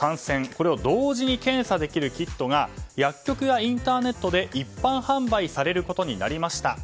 これを同時に検査できるキットが薬局やインターネットで一般販売されることになりました。